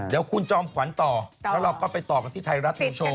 เดี๋ยวคุณจอมขวัญต่อแล้วเราก็ไปต่อกันที่ไทยรัฐนิวโชว